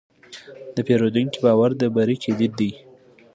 د پیرودونکي باور د بری کلید دی.